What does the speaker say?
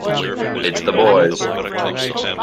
It's the boys!